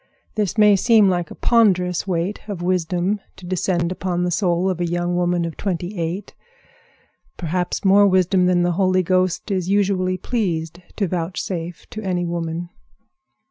This may seem like a ponderous weight of wisdom to descend upon the soul of a young woman of twenty eight—perhaps more wisdom than the Holy Ghost is usually pleased to vouchsafe to any woman.